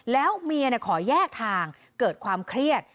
แล้วเมียขอแยกทางเกิดความเครียด